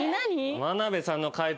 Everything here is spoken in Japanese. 眞鍋さんの解答